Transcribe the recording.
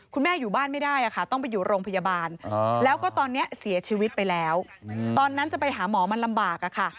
คุณแม่อยู่บ้านไม่ได้ค่ะต้องไปอยู่โรงพยาบาลแล้วก็ตอนนี้เสียชีวิตไปแล้วตอนนั้นจะไปหาหมอมันลำบากอะค่ะ